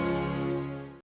jangan ajak lho